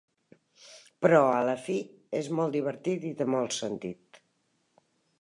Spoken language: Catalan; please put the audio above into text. Però a la fi, és molt divertit i té molt sentit.